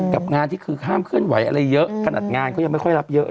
กับงานที่คือห้ามเคลื่อนไหวอะไรเยอะขนาดงานก็ยังไม่ค่อยรับเยอะ